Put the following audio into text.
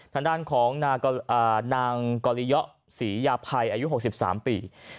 ทางด้านของนางกริยะศรียาภัยอายุ๖๓ปี